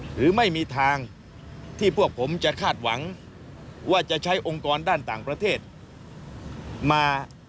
หรือไม่มีทางที่พวกผมจะคาดหวังว่าจะใช้องค์กรด้านต่างประเทศมา